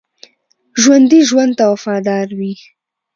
ژوندي ژوند ته وفادار وي